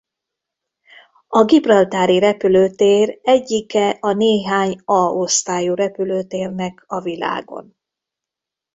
A gibraltári repülőtér egyike a néhány A osztályú repülőtérnek a világon.